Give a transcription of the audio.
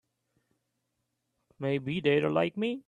Maybe they're like me.